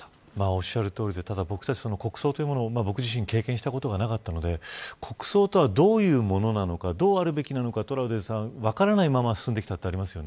おっしゃるとおりで、ただ僕たちも国葬というものを僕自身、経験したことがなかったので、国葬とはどういうものなのかどうあるべきなのか分からないまま進んできた